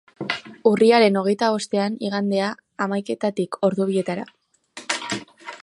Urriaren hogeita bostean, igandea, hamaiketatik ordu bietara.